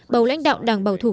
bầu lãnh đạo đảng bảo thủ